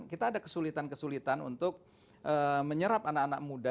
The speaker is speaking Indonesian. kita ada kesulitan kesulitan untuk menyerap anak anak muda